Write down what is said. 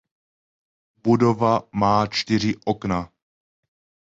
Budova má čtyři okna.